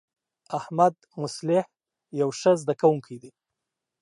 احمدمصلح یو ښه زده کوونکی دی.